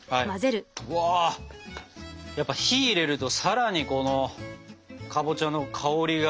やっぱ火入れるとさらにこのかぼちゃの香りが。